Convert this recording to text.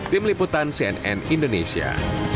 tim liputan cnn indonesia